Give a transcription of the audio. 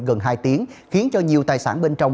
gần hai tiếng khiến cho nhiều tài sản bên trong